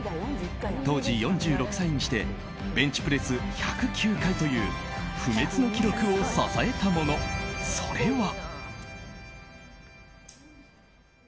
当時４６歳にしてベンチプレス１０９回という不滅の記録を支えたものそれは。